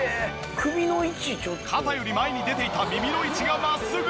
肩より前に出ていた耳の位置が真っすぐに！